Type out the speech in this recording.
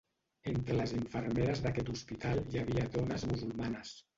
Entre les infermeres d'aquest hospital hi havia dones musulmanes.